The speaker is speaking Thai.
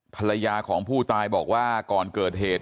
ภรรยาของผู้ตายบอกว่าก่อนเกิดเหตุ